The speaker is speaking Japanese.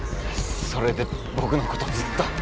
それでぼくのことずっと。